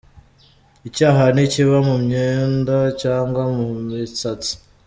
Icyaha ntikiba mu myenda cyangwa mu misatsi’.